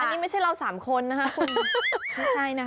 นี่ไม่ใช่เรา๓คนนะคะคุณไม่ใช่นะคะ